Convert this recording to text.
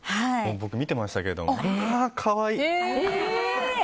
僕、見てましたけどまあ可愛い！